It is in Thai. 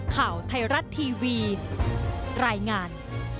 ข่าวไทยรัฐทีวีรายงาน